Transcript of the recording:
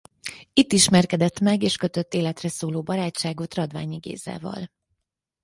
Itt ismerkedett meg és kötött életre szóló barátságot Radványi Gézával.